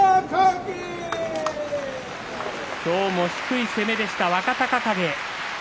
今日も低い攻めでした若隆景。